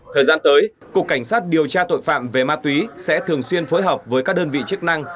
thời gian tới cục cảnh sát điều tra tội phạm về ma túy sẽ thường xuyên phối hợp với các đơn vị chức năng